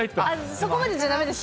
そこまでじゃだめですか。